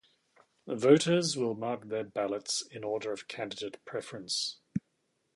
Voters will mark their ballots in order of candidate preference.